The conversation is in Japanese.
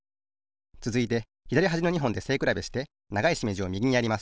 つづいてひだりはじの２ほんでせいくらべしてながいしめじをみぎにやります。